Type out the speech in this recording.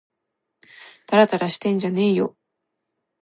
たらたらしてんじゃねぇよ